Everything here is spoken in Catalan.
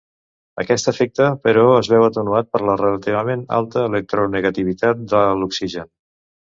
Aquest efecte, però, es veu atenuat per la relativament alta electronegativitat de l'oxigen.